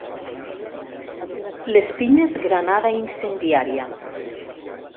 Les pinyes granada incendiària.